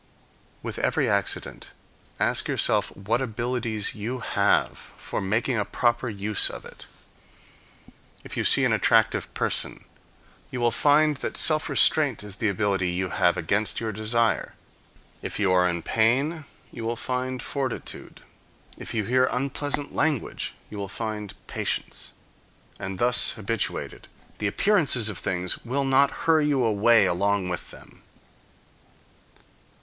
With every accident, ask yourself what abilities you have for making a proper use of it. If you see an attractive person, you will find that self restraint is the ability you have against your desire. If you are in pain, you will find fortitude. If you hear unpleasant language, you will find patience. And thus habituated, the appearances of things will not hurry you away along with them.